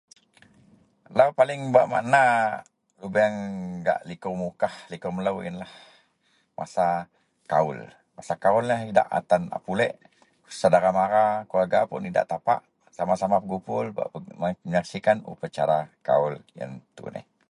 Lau wak paling bermakna lubeang gak likou Mukah likou melou yenlah masa kaul, Masa kaullah tan idak a pulik, sedara-mara keluwerga pun idak tapak. Sama-sama begupul bak menyaksikan upacara kaul yen tuneh